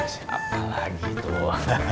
siapa lagi tuh